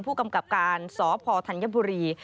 ผู้กำกับการสพธัญบุรี